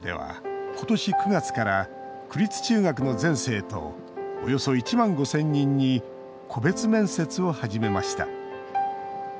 東京・江戸川区では今年９月から区立中学の全生徒およそ１万５０００人に個別面接を始めました。